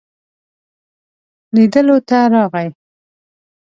لیدلو ته راغی.